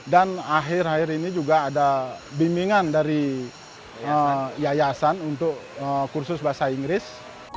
dan akhir akhir ini juga ada bimbingan dari yayasan untuk kursus bahasa inggris